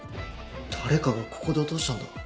誰かがここで落としたんだ。